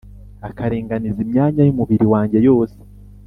akaringaniza imyanya y’umubiri wanjye yose,